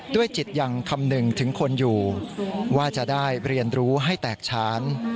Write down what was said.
จิตยังคำนึงถึงคนอยู่ว่าจะได้เรียนรู้ให้แตกช้าน